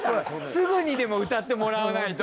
すぐにでも歌ってもらわないと。